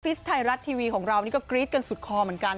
ไทยรัฐทีวีของเรานี่ก็กรี๊ดกันสุดคอเหมือนกัน